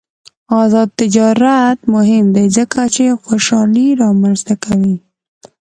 آزاد تجارت مهم دی ځکه چې خوشحالي رامنځته کوي.